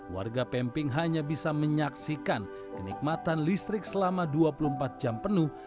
warga pemping hanya bisa menyaksikan kenikmatan listrik selama dua puluh empat jam penuh